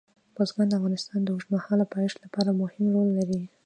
بزګان د افغانستان د اوږدمهاله پایښت لپاره مهم رول لري.